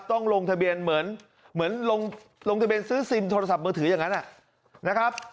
ต้องลงทะเบียนเหมือนลงทะเบียนซื้อซิมโทรศัพท์มือถืออย่างนั้นนะครับ